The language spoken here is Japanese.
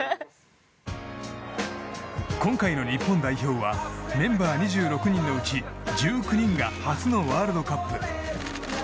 今回の日本代表はメンバー２６人のうち１９人が初のワールドカップ。